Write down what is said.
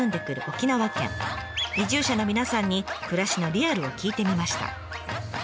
移住者の皆さんに暮らしのリアルを聞いてみました。